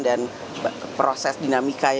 dan proses dinamika ya